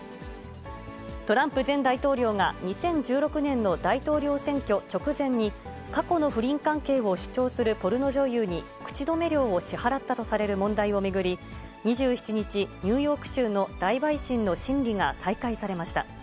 トランプ前大統領が２０１６年の大統領選挙直前に、過去の不倫関係を主張するポルノ女優に口止め料を支払ったとされる問題を巡り、２７日、ニューヨーク州の大陪審の審理が再開されました。